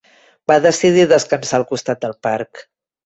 Va decidir descansar al costat del parc.